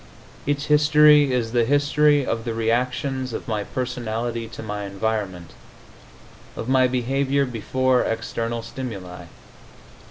Its history is the history of the reactions of my personality to my environment, of my behavior before external stimuli.